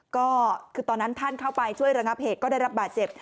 ก็คือตอนนั้นท่านเข้าไปช่วยระงับเหตุก็ได้รับบาดเจ็บ